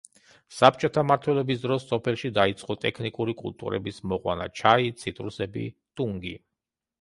საბჭოთა მმართველობის დროს სოფელში დაიწყო ტექნიკური კულტურების მოყვანა: ჩაი, ციტრუსები, ტუნგი.